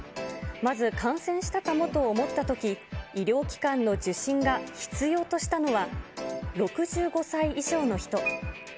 まず感染したかもと思ったとき、医療機関の受診が必要としたのは、６５歳以上の人。